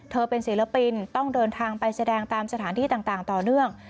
เป็นศิลปินต้องเดินทางไปแสดงตามสถานที่ต่างต่อเนื่อง